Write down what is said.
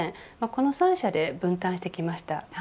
この３者で分担してきました。